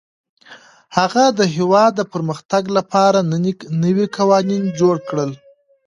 هغه د هېواد د پرمختګ لپاره نوي قوانین جوړ کړل.